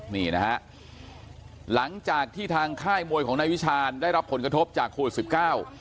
นี่นะฮะหลังจากที่ทางค่ายมวยของนายวิชาณได้รับผลกระทบจากโควิดสิบเก้า